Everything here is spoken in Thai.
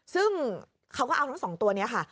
ซึ่งเขาก็เอาทั้งสองตัวนี้ค่ะ